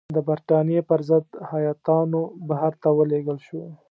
د برټانیې پر ضد هیاتونه بهر ته ولېږل شول.